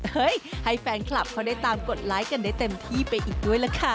เฮ้ยให้แฟนคลับเขาได้ตามกดไลค์กันได้เต็มที่ไปอีกด้วยล่ะค่ะ